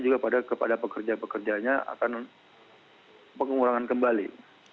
juga kepada pekerja pekerjanya akan pengurangan kembali